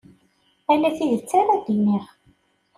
Ala tidet ara d-iniɣ.